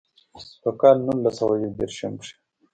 پۀ کال نولس سوه يو ديرشم کښې